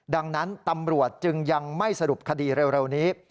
ดังนั้นตำรวจจึงยังไม่สรุปคดีเร็วนี้